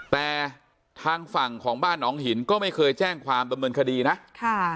แต่ทางฝั่งของบ้านหนองหินก็ไม่เคยแจ้งความดำเนินคดีนะค่ะ